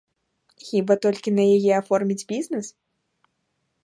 Хіба толькі на яе аформіць бізнэс?